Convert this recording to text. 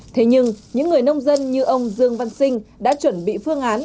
thế nhưng những người nông dân như ông dương văn sinh đã chuẩn bị phương án